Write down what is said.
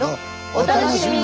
お楽しみに！